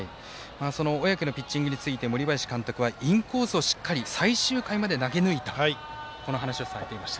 小宅のピッチングについて森林監督はインコースをしっかり最終回まで投げ抜いたこの話をされていました。